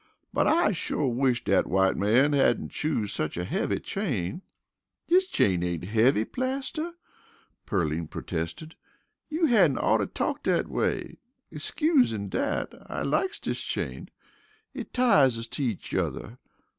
"But I shore wish dat white man hadn't choosed such a heavy chain." "Dis chain ain't heavy, Plaster," Pearline protested. "You hadn't oughter talk dat way. Excusin' dat, I likes dis chain it ties us to each yuther.